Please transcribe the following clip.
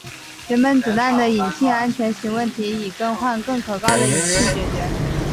原本子弹的引信安全型问题以更换更可靠的引信解决。